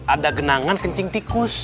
ada genangan kencing tikus